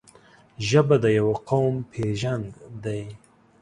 ژبه د یو قوم پېژند دی.